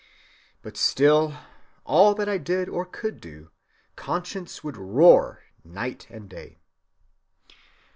"But still, all that I did or could do, conscience would roar night and day."